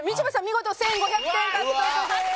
見事１５００点獲得です。